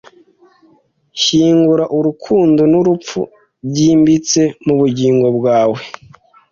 Nshyingura urukundo n'urupfu, byimbitse mu bugingo bwawe.